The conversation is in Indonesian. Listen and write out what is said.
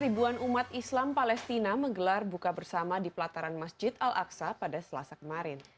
ribuan umat islam palestina menggelar buka bersama di pelataran masjid al aqsa pada selasa kemarin